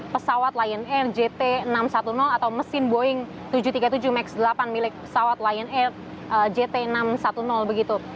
pesawat lion air jt enam ratus sepuluh atau mesin boeing tujuh ratus tiga puluh tujuh max delapan milik pesawat lion air jt enam ratus sepuluh begitu